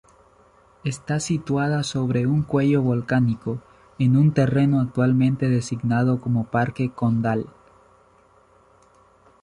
Está situada sobre un cuello volcánico, en un terreno actualmente designado como parque condal.